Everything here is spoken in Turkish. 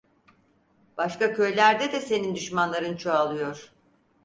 Başka köylerde de senin düşmanların çoğalıyor.